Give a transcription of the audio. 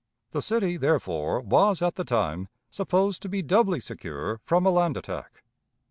The city, therefore, was at the time supposed to be doubly secure from a land attack.